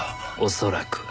恐らく。